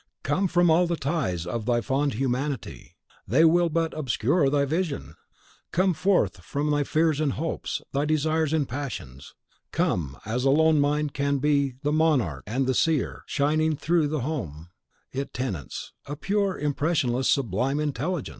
Come from all the ties of thy fond humanity; they will but obscure thy vision! Come forth from thy fears and hopes, thy desires and passions. Come, as alone Mind can be the monarch and the seer, shining through the home it tenants, a pure, impressionless, sublime intelligence!